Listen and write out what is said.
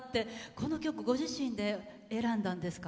この曲ご自身で選んだんですか？